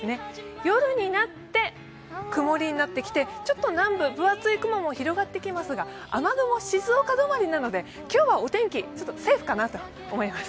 夜になって曇りになってきてちょっと南部、分厚い雲も広がってきますが雨雲、静岡止まりなので今日はお天気、セーフかなと思います。